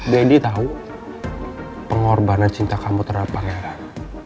dedi tau pengorbanan cinta kamu terhadap pangeran